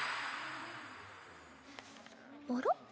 あら？